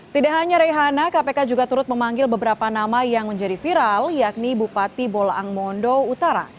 tidak hanya reihana kpk juga turut memanggil beberapa nama yang menjadi viral yakni bupati bolaang mondo utara